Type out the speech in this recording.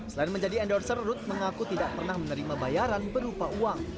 selain menjadi endorser ruth mengaku tidak pernah menerima bayaran berupa uang